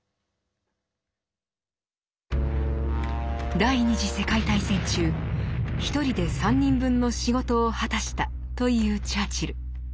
第二次世界大戦中「一人で三人分の仕事を果たした」というチャーチル。